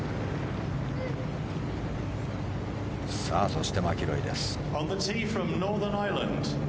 そしてマキロイです。